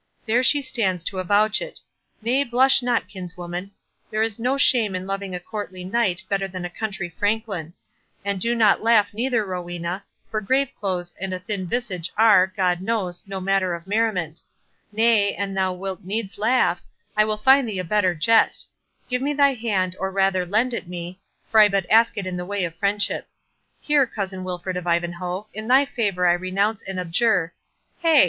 There she stands to avouch it—Nay, blush not, kinswoman, there is no shame in loving a courtly knight better than a country franklin—and do not laugh neither, Rowena, for grave clothes and a thin visage are, God knows, no matter of merriment—Nay, an thou wilt needs laugh, I will find thee a better jest—Give me thy hand, or rather lend it me, for I but ask it in the way of friendship.—Here, cousin Wilfred of Ivanhoe, in thy favour I renounce and abjure— Hey!